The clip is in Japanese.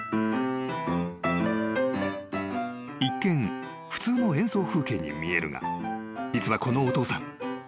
［一見普通の演奏風景に見えるが実はこのお父さん］